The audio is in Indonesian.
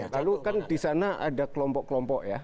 lalu kan di sana ada kelompok kelompok ya